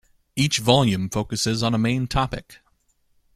Each volume focuses on a main topic.